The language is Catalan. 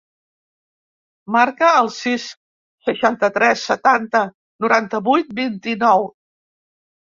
Marca el sis, seixanta-tres, setanta, noranta-vuit, vint-i-nou.